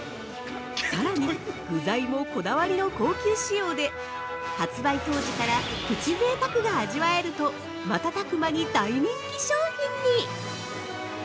さらに、具材もこだわりの高級仕様で、発売当時からプチ贅沢が味わえると瞬く間に大人気商品に！